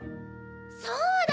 そうだ！